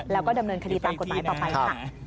แล้วก็ดำเนินคดีตามกฎหมายต่อไปค่ะ